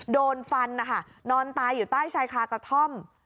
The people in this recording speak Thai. โดนฟันนะคะนอนตายอยู่ใต้ชายคากระท่อม